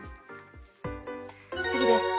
次です。